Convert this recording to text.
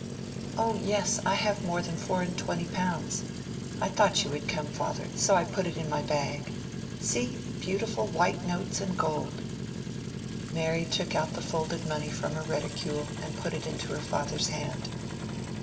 "Oh yes; I have more than four and twenty pounds. I thought you would come, father, so I put it in my bag. See! beautiful white notes and gold." Mary took out the folded money from her reticule and put it into her father's hand.